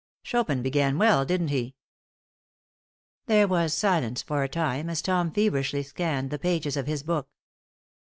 Chopin began well, didn't he?" There was silence for a time as Tom feverishly scanned the pages of his book.